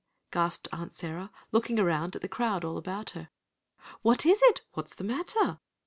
gasped Aunt Sarah, looking around at the crowd all about her. "What is it? What's the matter?"